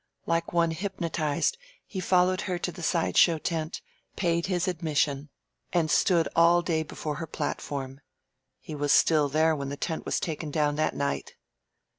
Like one hypnotized he followed her to the side show tent, paid his admission, and stood all day before her platform. He was still there when the tent was taken down that night.